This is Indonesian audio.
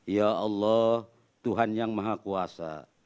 ya allah tuhan yang maha kuasa